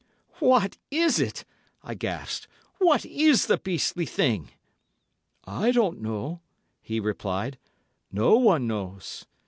"What is it?" I gasped. "What is the beastly thing?" "I don't know," he replied; "no one knows.